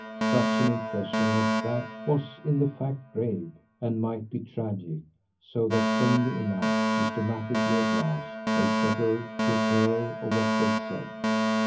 Such an impression as that was in fact grave, and might be tragic; so that, plainly enough, systematically at last, they settled to a care of what they said.